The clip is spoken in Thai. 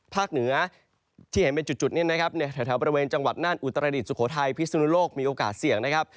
เหนือที่เห็นเป็นจุดนี้นะครับในแถวบริเวณจังหวัดน่านอุตรดิษสุโขทัยพิสุนุโลกมีโอกาสเสี่ยงนะครับ